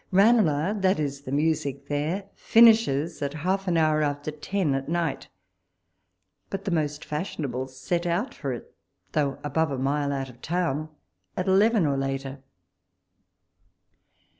Ranelagh, that is, the music there, finishes at half an hour after ten at night ; but the most fashionable set out for it, though above a mile out of town, at eleven or later.